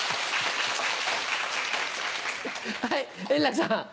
はい円楽さん。